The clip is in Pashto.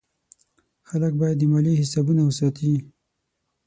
خلک باید د مالیې حسابونه وساتي.